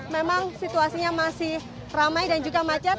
memang situasinya masih ramai dan juga macet